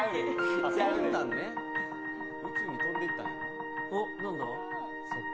宇宙に飛んでいったんや。